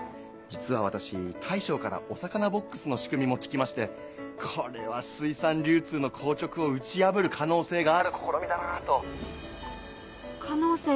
実は私大将からお魚ボックスの仕組みも聞きましてこれは水産流通の硬直を打ち破る可能性がある試みだなと。か可能性。